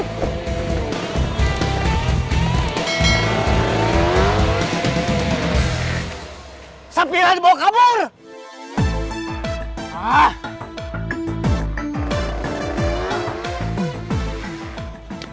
kang studentnya bayar dulu